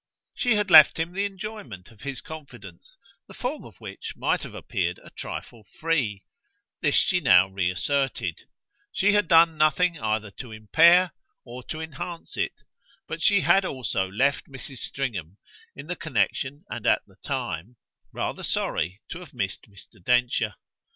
She had left him the enjoyment of his confidence, the form of which might have appeared a trifle free this she now reasserted; she had done nothing either to impair or to enhance it; but she had also left Mrs. Stringham, in the connexion and at the time, rather sorry to have missed Mr. Densher.